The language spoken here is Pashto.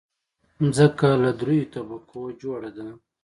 مځکه له دریو طبقو جوړه ده.